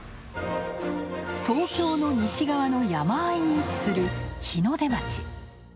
東京の西側の山あいに位置する日の出町。